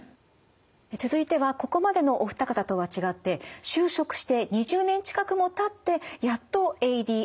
続いてはここまでのお二方とは違って就職して２０年近くもたってやっとＡＤＨＤだと気付いた方もいます。